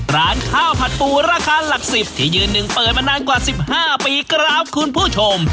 ร้านข้าวผัดปูราคาหลัก๑๐ที่ยืนหนึ่งเปิดมานานกว่า๑๕ปีครับคุณผู้ชม